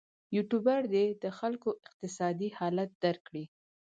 یوټوبر دې د خلکو اقتصادي حالت درک کړي.